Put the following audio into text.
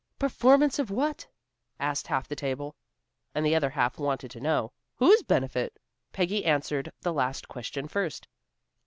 "Performance of what?" asked half the table. And the other half wanted to know, "Whose benefit?" Peggy answered the last question first.